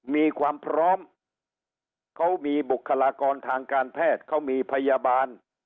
มีความพร้อมเขามีบุคลากรทางการแพทย์เขามีพยาบาล